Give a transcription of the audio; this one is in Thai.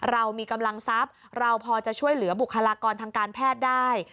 เรามีกำลังทรัพย์เราพอจะช่วยเหลือบุคลากรทางการแพทย์ได้